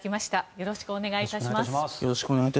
よろしくお願いします。